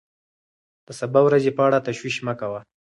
د سبا ورځې په اړه تشویش مه کوه.